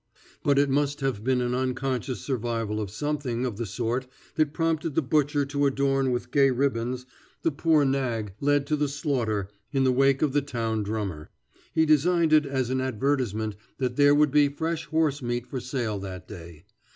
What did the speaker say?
But it must have been an unconscious survival of something of the sort that prompted the butcher to adorn with gay ribbons the poor nag led to the slaughter in the wake of the town drummer. He designed it as an advertisement that there would be fresh horse meat for sale that day.